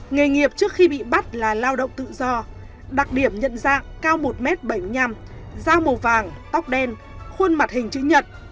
nghề nghiệp trước khi bị bắt là lao động tự do đặc điểm nhận dạng cao một m bảy mươi năm dao màu vàng tóc đen khuôn mặt hình chữ nhật